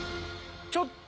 ちょっと。